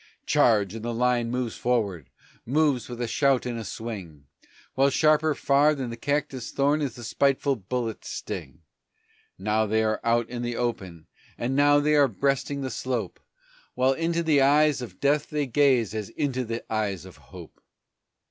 "Charge!" and the line moves forward, moves with a shout and a swing, While sharper far than the cactus thorn is the spiteful bullet's sting. Now they are out in the open, and now they are breasting the slope, While into the eyes of death they gaze as into the eyes of hope.